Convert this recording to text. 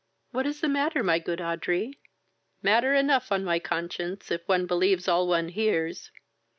"What is the matter, my good Audrey?" "Matter enough on my conscience, if one believes all one hears!